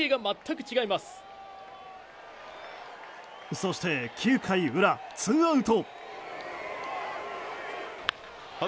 そして９回裏、ツーアウト。